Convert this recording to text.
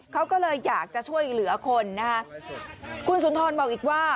เขาก็เลยอยากจะช่วยเหลือคนนะคะคุณสุนทรบอกอีกว่า